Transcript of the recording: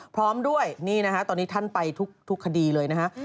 พร้อมด้วยนี่นะฮะตอนนี้ท่านไปทุกคดีเลยนะฮะ